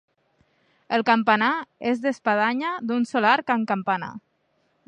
El campanar és d'espadanya d'un sol arc amb campana.